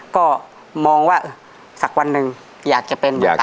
ก็มองว่าสักวันหนึ่งอยากจะเป็นป่าเอกชัย